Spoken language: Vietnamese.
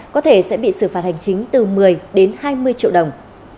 có thể sẽ bị xử phạt hành chính từ một mươi đến hai mươi triệu đồng